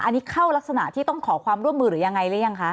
อันนี้เข้ารักษณะที่ต้องขอความร่วมมือหรือยังไงหรือยังคะ